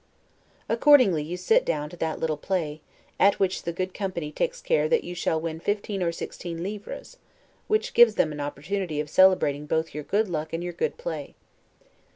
Accordingly you sit down to that little play, at which the good company takes care that you shall win fifteen or sixteen livres, which gives them an opportunity of celebrating both your good luck and your good play.